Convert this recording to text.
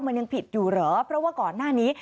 มันยังผิดอยู่เหรอเพราะว่าก่อนหน้านี้